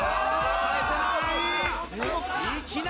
返せない！